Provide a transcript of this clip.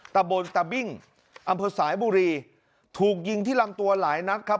ตะบนตะบิ้งอำเภอสายบุรีถูกยิงที่ลำตัวหลายนัดครับ